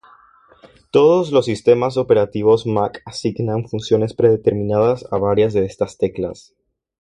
Todos los sistemas operativos Mac asignan funciones predeterminadas a varias de estas teclas.